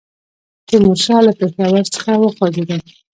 تیمورشاه له پېښور څخه وخوځېدی.